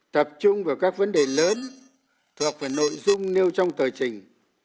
tập trung vào các vấn đề lớn thuộc về nội dung nêu trong tờ trình